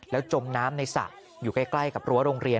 แล้วจมน้ำในศักดิ์อยู่ใกล้กับรั้วโรงเรียน